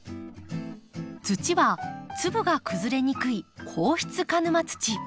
土は粒が崩れにくい硬質鹿沼土。